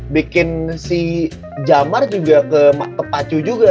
bikin si jamar juga ke pacu juga